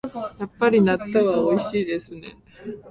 やっぱり納豆はおいしいですね